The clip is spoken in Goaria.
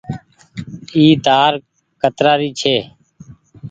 اي تآر ڪترآ ري ڇي۔